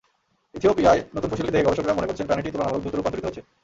ইথিওপিয়ায় নতুন ফসিলটি দেখে গবেষকেরা মনে করছেন, প্রাণীটি তুলনামূলক দ্রুত রূপান্তরিত হয়েছে।